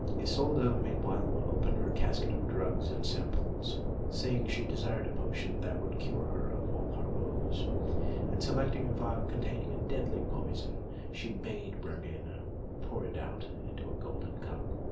Isolda meanwhile opened her casket of drugs and simples, saying she desired a potion that would cure her of all her woes; and selecting a phial containing a deadly poison, she bade Brangæna pour it out into a golden cup.